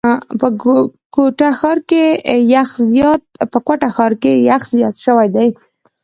په کوټه ښار کي یخ زیات شوی دی.